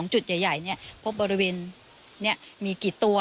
จุดใหญ่พบบริเวณมีกี่ตัว